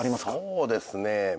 そうですねぇ。